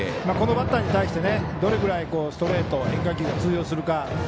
このバッターに対してどれぐらいストレート変化球が通用するか。